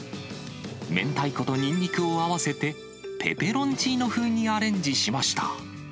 明太子とニンニクを合わせて、ペペロンチーノ風にアレンジしました。